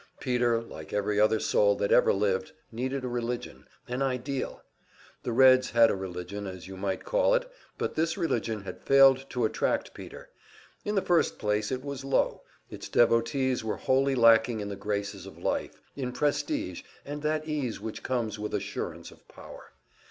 Peter, like every other soul that ever lived, needed a religion, an ideal. The Reds had a religion, as you might call it; but this religion had failed to attract Peter. In the first place it was low; its devotees were wholly lacking in the graces of life, in prestige, and that ease which comes with assurance of power.